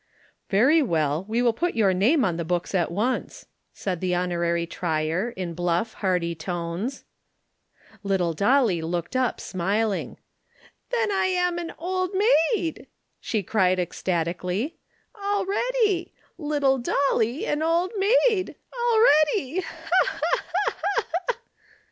"Very well, we will put your name on the books at once," said the Honorary Trier, in bluff, hearty tones. Little Dolly looked up smiling. "Then I'm an old maid!" she cried ecstatically. "Already! Little Dolly an old maid! Already! Ha! ha! ha! ha! ha!"